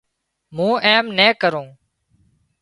مون ايم نين ڪرون